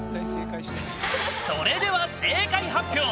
それでは正解発表！